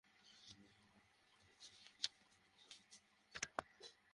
যারা মর্মন্তুদ শাস্তিকে ভয় করে আমি তাদের জন্যে এর মধ্যে একটি নির্দশন রেখেছি।